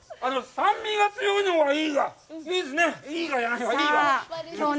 酸味が強いのがいいわ、いいですね。